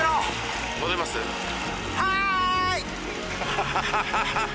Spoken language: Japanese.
ハハハハハ！